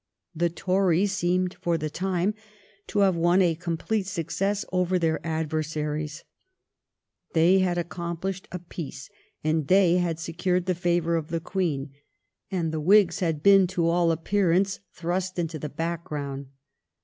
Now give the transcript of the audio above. The Tories seemed for the time to have won a complete success over their adversaries. They had accomplished a peace and they had secured the favour of the Queen, and the Whigs had been to all appearance thrust into s 2 260 THE REIGN OF QUEEN ANNE. ch. xxxm. the background.